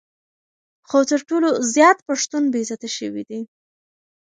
خو تر ټولو زیات پښتون بې عزته شوی دی.